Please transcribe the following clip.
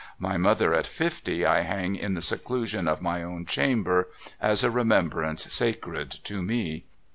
My mother at fifty I hang in the seclusion of my own chamber, as a remembrance sacred to me.